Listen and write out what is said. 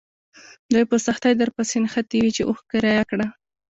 دوی په سختۍ درپسې نښتي وي چې اوښ کرایه کړه.